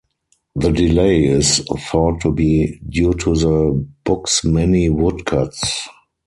The delay is thought to be due to the book's many woodcuts.